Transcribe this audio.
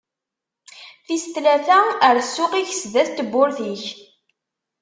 Tis tlata: Err ssuq-ik sdat n tewwurt-ik.